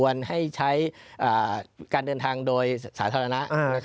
เชิญชวนให้ใช้การเดินทางโดยสาธารณะ